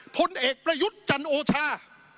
ผลเอกประยุทธ์จันโอชา